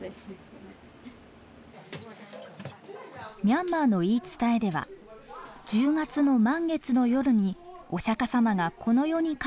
ミャンマーの言い伝えでは「１０月の満月の夜にお釈様がこの世に帰ってくる」といいます。